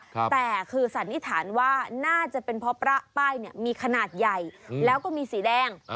แต่คือสันนิษฐานว่าน่าจะเป็นเพราะพระป้ายเนี่ยมีขนาดใหญ่แล้วก็มีสีแดง